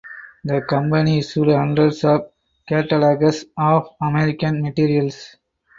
The company issued hundreds of catalogues of American materials.